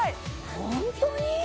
ホントに！？